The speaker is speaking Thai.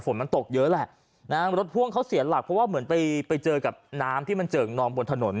ฝนมันตกเยอะแหละนะฮะรถพ่วงเขาเสียหลักเพราะว่าเหมือนไปไปเจอกับน้ำที่มันเจิกนองบนถนน